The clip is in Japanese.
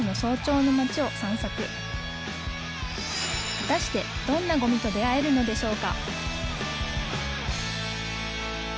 果たしてどんなごみと出会えるのでしょうか？